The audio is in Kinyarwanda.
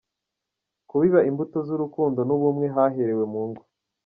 Kubiba imbuto z’urukundo n’ubumwe haherewe mu ngo.